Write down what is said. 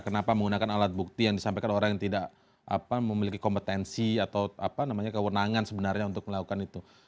kenapa menggunakan alat bukti yang disampaikan orang yang tidak memiliki kompetensi atau kewenangan sebenarnya untuk melakukan itu